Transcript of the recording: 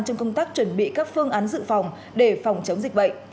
trong công tác chuẩn bị các phương án dự phòng để phòng chống dịch bệnh